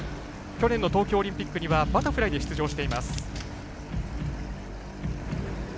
去年の東京オリンピックにはバタフライで出場しています。